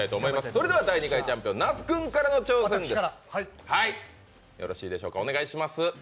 それでは第２回チャンピオン、那須君からの挑戦です。